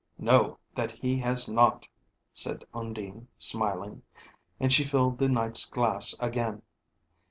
"No, that he has not," said Undine, smiling; and she filled the Knight's glass again.